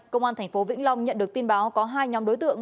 công an thành phố vĩnh long nhận được tin báo có hai nhóm đối tượng